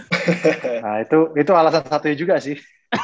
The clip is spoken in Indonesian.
nah itu alasan satunya juga sih